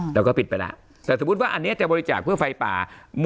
เราก็ปิดไปแล้วแต่สมมุติว่าอันนี้จะบริจาคเพื่อไฟป่า